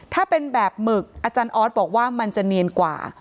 ถ้าเป็นแบบหมึกอาจารย์ออสบอกว่ามันจะเนียนกว่า